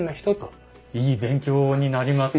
いい勉強になります。